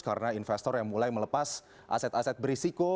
karena investor yang mulai melepas aset aset berisiko